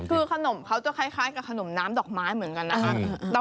คือขนมเขาจะคล้ายกับขนมน้ำดอกไม้เหมือนกันนะคะ